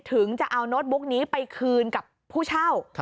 ถึงจะเอาโน้ตบุ๊กนี้ไปคืนกับผู้เช่า